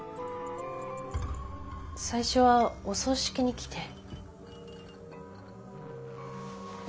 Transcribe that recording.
最初はお葬式に来て。